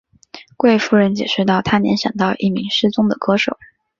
贵夫人解释道她联想到一名失踪的歌手。